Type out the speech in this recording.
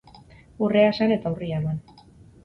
Urrea esan eta urria eman.